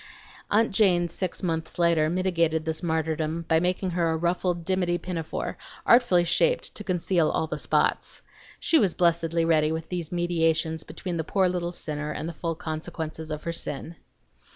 Aunt Jane six months later mitigated this martyrdom by making her a ruffled dimity pinafore, artfully shaped to conceal all the spots. She was blessedly ready with these mediations between the poor little sinner and the full consequences of her sin.